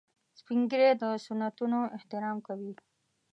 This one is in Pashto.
سپین ږیری د سنتونو احترام کوي